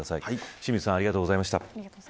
清水さんありがとうございました。